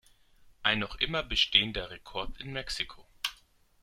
Ein noch immer bestehender Rekord in Mexiko.